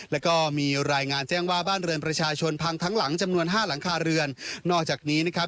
แล้วก็มีรายงานแจ้งว่าบ้านเรือนประชาชนพังทั้งหลังจำนวนห้าหลังคาเรือนนอกจากนี้นะครับ